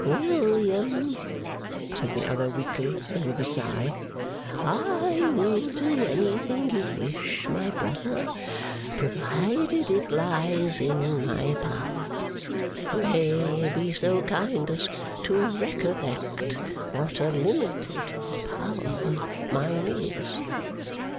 'William,' said the other weakly, and with a sigh, 'I will do anything you wish, my brother, provided it lies in my power. Pray be so kind as to recollect what a limited power mine is.